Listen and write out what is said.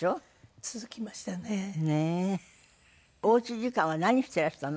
おうち時間は何してらしたの？